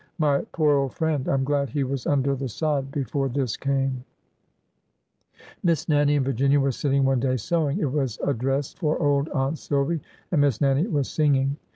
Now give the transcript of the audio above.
... My poor old friend! I 'm glad he was under the sod before this came !" Miss Nannie and Virginia were sitting one day sewing. It was a dress for old Aunt Silvy, and Miss Nannie was singing.